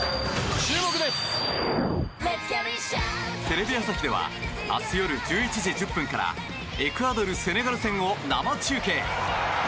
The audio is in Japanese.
テレビ朝日では明日夜１１時１０分からエクアドル、セネガル戦を生中継！